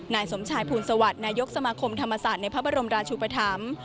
นายสมชายภูลสวัสดิ์นายกสมาคมธรรมศาสตร์ในพระบรมราชุปธรรม